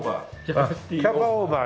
キャパオーバー。